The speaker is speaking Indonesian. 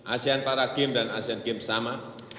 asian para game dan asian games sama